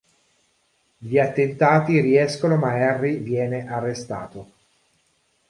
Gli attentati riescono ma Henry viene arrestato.